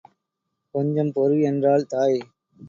கொஞ்சம் பொறு என்றாள் தாய்.